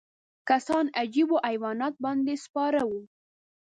کسان عجیبو حیواناتو باندې سپاره وو.